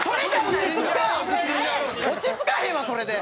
落ち着かへんわそれで。